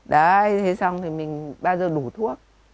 đấy thế xong thì mình bao giờ đủ thuốc